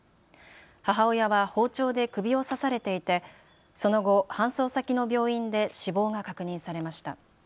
母親は包丁で首を刺されていてその後、搬送先の病院で死亡が確認されました。